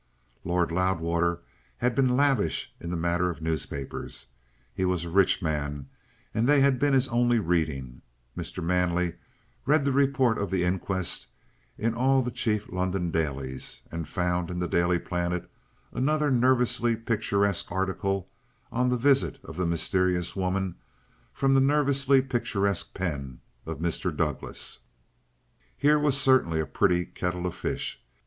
Lord Loudwater had been lavish in the matter of newspapers; he was a rich man, and they had been his only reading. Mr. Manley read the report of the inquest in all the chief London dailies, and found in the Daily Planet another nervously picturesque article on the visit of the mysterious woman from the nervously picturesque pen of Mr. Douglas. Here was certainly a pretty kettle of fish.